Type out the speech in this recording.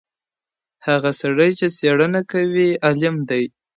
هغه سړی چي څېړنه کوي عالم دی.